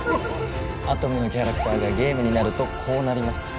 アトムのキャラクターがゲームになるとこうなります